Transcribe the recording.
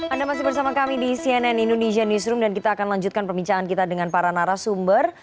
anda masih bersama kami di cnn indonesia newsroom dan kita akan lanjutkan perbincangan kita dengan para narasumber